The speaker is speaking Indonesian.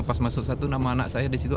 pas masuk satu nama anak saya disitu